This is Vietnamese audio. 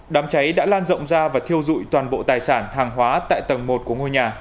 đám cháy đã lan rộng ra và thiêu dụi toàn bộ tài sản hàng hóa tại tầng một của ngôi nhà